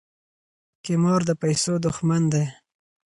قمار د پیسو دښمن دی.